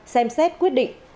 xem xét quyết định